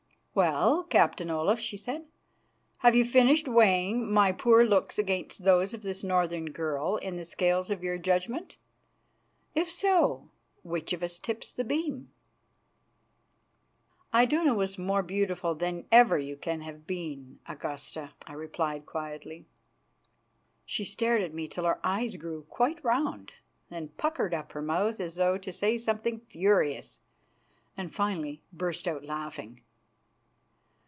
"Well, Captain Olaf," she said, "have you finished weighing my poor looks against those of this northern girl in the scales of your judgment? If so, which of us tips the beam?" "Iduna was more beautiful than ever you can have been, Augusta," I replied quietly. She stared at me till her eyes grew quite round, then puckered up her mouth as though to say something furious, and finally burst out laughing.